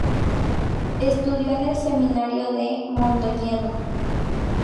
Estudió en el seminario de Mondoñedo.